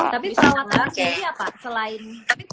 tapi perawatnya sendiri apa selain